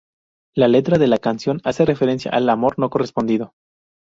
La letra de la canción hace referencia al amor no correspondido.